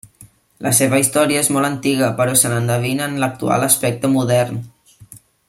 La seva història és molt antiga, però no s'endevina en l'actual aspecte modern.